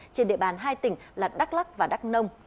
trên địa bàn hai tỉnh là đắk lắc và đắk nông